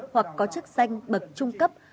hoặc có chức danh bậc trung cấp